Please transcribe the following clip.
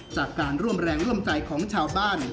จากการร่วมแรงร่วมใจของชาวบ้าน